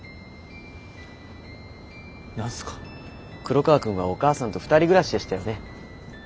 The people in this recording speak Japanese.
黒川くんはお母さんと２人暮らしでしたよね？